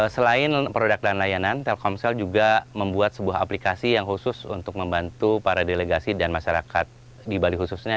selain produk dan layanan telkomsel juga membuat sebuah aplikasi yang khusus untuk membantu para delegasi dan masyarakat di bali khususnya